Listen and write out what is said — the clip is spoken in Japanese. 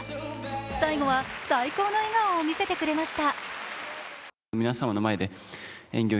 最後は最高の笑顔を見せてくれました。